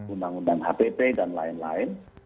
undang undang hpp dan lain lain